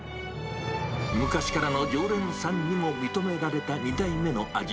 昔からの常連さんにも認められた２代目の味。